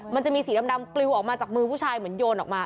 มันจะมีสีดำปลิวออกมาจากมือผู้ชายเหมือนโยนออกมา